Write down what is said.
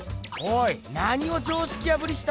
何を常識破りしたんだよ。